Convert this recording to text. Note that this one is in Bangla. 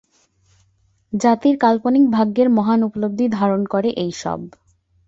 জাতির কাল্পনিক ভাগ্যের মহান উপলব্ধি ধারণ করে এইসব।